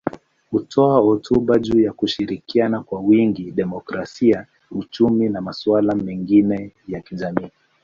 Hutoa hotuba juu ya kushirikiana kwa wingi, demokrasia, uchumi na masuala mengine ya kijamii.